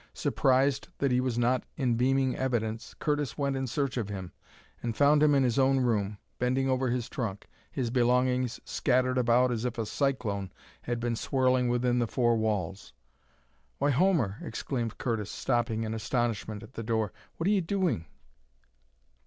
Surprised that he was not in beaming evidence, Curtis went in search of him and found him in his own room, bending over his trunk, his belongings scattered about as if a cyclone had been swirling within the four walls. "Why, Homer," exclaimed Curtis, stopping in astonishment at the door, "what are you doing?"